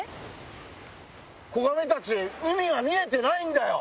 子ガメたち、海が見えてないんだよ。